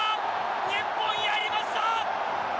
日本やりました。